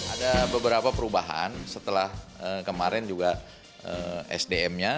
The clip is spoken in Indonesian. ada beberapa perubahan setelah kemarin juga sdm nya